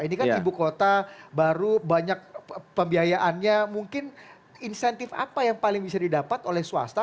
ini kan ibu kota baru banyak pembiayaannya mungkin insentif apa yang paling bisa didapat oleh swasta